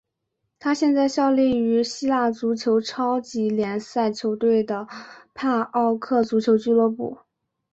他现在效力于希腊足球超级联赛球队帕奥克足球俱乐部。